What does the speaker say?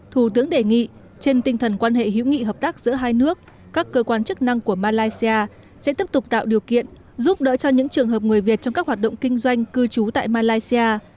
thủ tướng đề nghị trên tinh thần quan hệ hữu nghị hợp tác giữa hai nước các cơ quan chức năng của malaysia sẽ tiếp tục tạo điều kiện giúp đỡ cho những trường hợp người việt trong các hoạt động kinh doanh cư trú tại malaysia